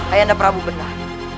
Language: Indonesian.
ayah anda prabu benar